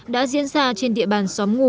đã diễn ra trên địa bàn xóm ngù